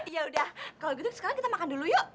yaudah kalau gitu sekarang kita makan dulu yuk